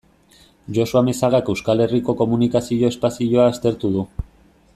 Josu Amezagak Euskal Herriko komunikazio espazioa aztertu du.